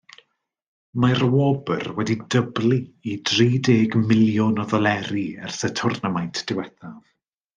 Mae'r wobr wedi dyblu i drideg miliwn o ddoleri ers y twrnamaint diwethaf.